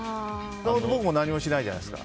で、僕も何もしないじゃないですか。